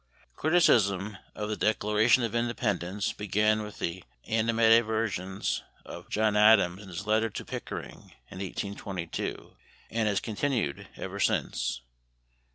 Criticism of the Declaration of Independence began with the animadversions of John Adams in his letter to Pickering in 1822 and has continued ever since.